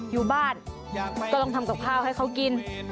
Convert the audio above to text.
อยู่บ้านก็ต้องทำกับข้าวให้เขากิน